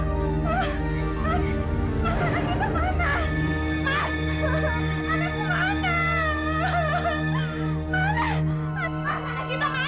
kadang satu edo barusan liar gitu